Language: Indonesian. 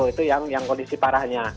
itu yang kondisi parahnya